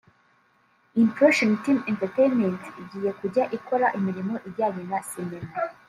Impression team entertainment” igiye kujya ikora imirimo ijyanye na sinema